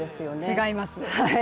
違います。